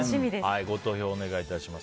ご投票をお願いします。